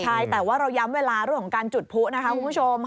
ใช่แต่ว่าเราย้ำเวลาเรื่องของการจุดผู้นะคะคุณผู้ชม